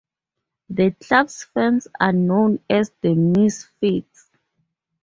The club's fans are known as "The Misfits".